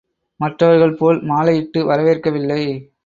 மற்றவர்கள் போல் மாலையிட்டு வரவேற்கவில்லை.